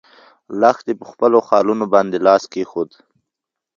لښتې په خپلو خالونو باندې لاس کېښود.